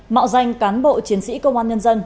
mạo danh cán bộ chiến sĩ công an nhân dân